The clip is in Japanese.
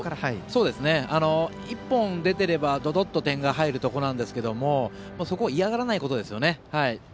一本が出ていればドドッと点が入るところですがそこを嫌がらないことですね。